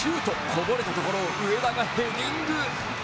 こぼれたところを上田がヘディング。